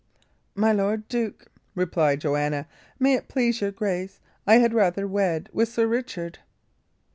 "My lord duke," replied Joanna, "may it please your grace, I had rather wed with Sir Richard."